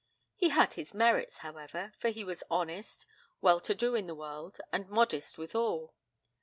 He had his merits, however; for he was honest, well to do in the world, and modest withal.